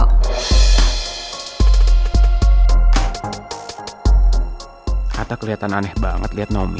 kata keliatan aneh banget liat naomi